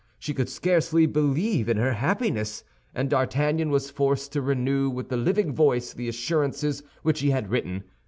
She could scarcely believe in her happiness; and D'Artagnan was forced to renew with the living voice the assurances which he had written.